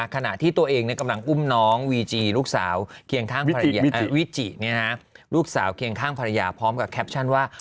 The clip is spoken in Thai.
ขณะที่ตัวเองกำลังอุ้มน้องวิจีย์ลูกสาวเคียงข้างภรรยาพร้อมกับแคปชั่นว่า